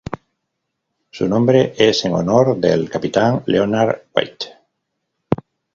Su nombre es en honor del capitán Leonard White.